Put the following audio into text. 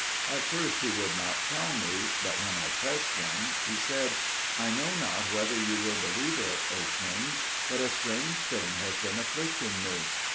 At first he would not tell me, but when I pressed him he said, "I know not whether you will believe it, O king, but a strange thing has been afflicting me.